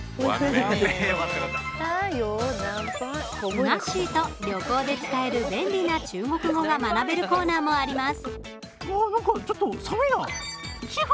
ふなっしーと旅行で使える便利な中国語が学べるコーナーもあります。